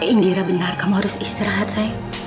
indira benar kamu harus istirahat saya